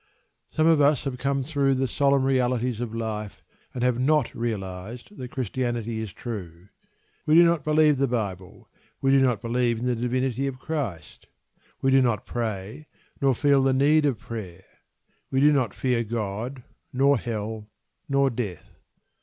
Some of us have come through "the solemn realities of life," and have not realised that Christianity is true. We do not believe the Bible; we do not believe in the divinity of Christ; we do not pray, nor feel the need of prayer; we do not fear God, nor Hell, nor death.